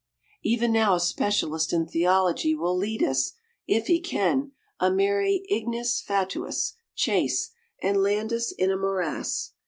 Even now a specialist in theology will lead us, if he can, a merry "ignis fatuus" chase and land us in a morass.